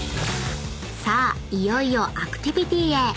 ［さあいよいよアクティビティへ］